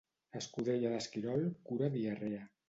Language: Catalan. Escudella d'esquirol cura diarrea.